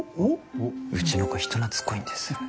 うちの子人なつっこいんです。